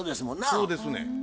そうですねん。